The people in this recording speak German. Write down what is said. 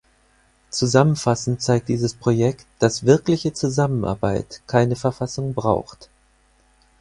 Zusammenfassend zeigt dieses Projekt, dass wirkliche Zusammenarbeit keine Verfassung braucht.